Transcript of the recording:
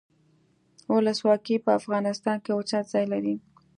ولسواکي په افغانستان کې اوچت ځای لري.